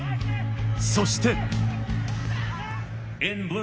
そして。